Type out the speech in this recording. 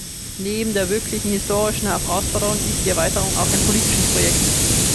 Neben der wirklichen historischen Herausforderung ist die Erweiterung auch ein politisches Projekt.